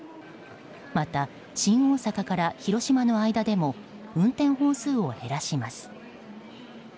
また、新大阪から広島の間でも運転本数を減らします。